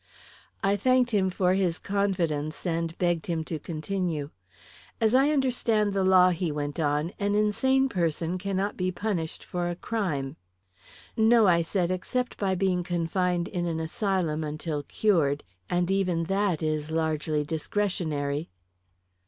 I thanked him for his confidence and begged him to continue. "As I understand the law," he went on, "an insane person cannot be punished for a crime." "No," I said, "except by being confined in an asylum until cured and even that is largely discretionary."